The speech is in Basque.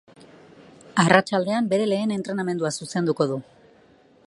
Arratsaldean, bere lehen entrenamendua zuzenduko du.